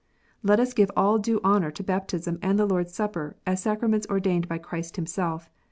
Let us give all due honour to baptism and the Lord s Supper, as sacraments ordained by Christ Himself.